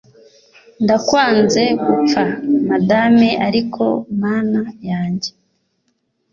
ndakwanze gupfa, madame; ariko, mana yanjye